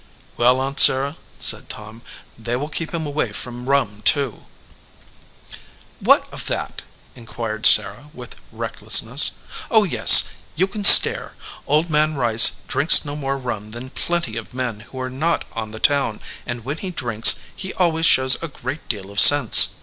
"Well, Aunt Sarah," said Tom, "they will keep him away from rum, too/ "What of that?" inquired Sarah, with reckless 28 THE OLD MAN OF THE FIELD ness. "Oh yes, you can stare! Old Man Rice drinks no more rum than plenty of men who are not on the town, and when he drinks he always shows a great deal of sense.